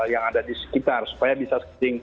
yang ada di sekitar supaya bisa